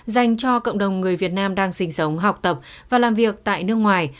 dành cho cộng đồng người việt nam đang sinh sống học tập và làm việc tại nước ngoài